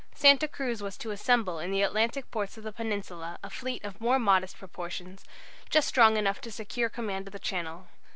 Santa Cruz was to assemble in the Atlantic ports of the Peninsula a fleet of more modest proportions, just strong enough to secure command of the Channel.